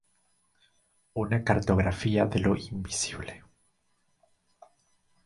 Una cartografía de lo invisible".